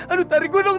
aduh tarik gue dong